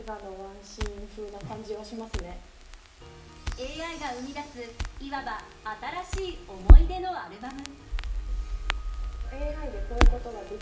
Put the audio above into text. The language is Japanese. ＡＩが生み出すいわば新しい思い出のアルバム。